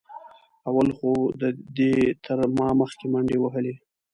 اول خو دې تر ما مخکې منډې وهلې.